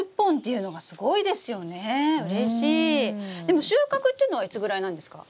でも収穫っていうのはいつぐらいなんですか？